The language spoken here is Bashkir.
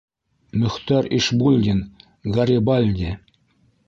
- Мөхтәр Ишбулдин-Гарибальди.